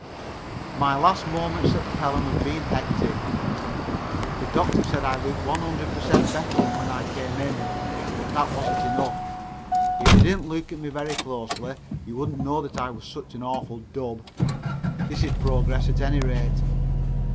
My last moments at Pelham have been hectic. The doctor said I looked one hundred per cent better than when I came in, but that wasn't enough. If you didn't look at me very closely you wouldn't know that I was such an awful dub. This is progress at any rate.